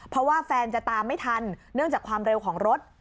เพราะว่าแฟนจะตามไม่ทันเนื่องจากความเร็วของรถ